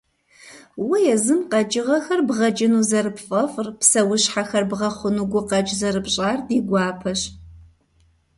Уэ езым къэкӀыгъэхэр бгъэкӀыну зэрыпфӀэфӀыр, псэущхьэхэр бгъэхъуну гукъэкӀ зэрыпщӀар ди гуапэщ.